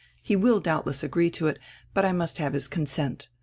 He will doubdess agree to it, but I must have his consent.